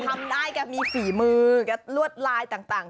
ทำได้แกมีฝีมือแกลวดลายต่าง